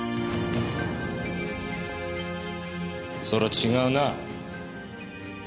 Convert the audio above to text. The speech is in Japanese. それは違うな。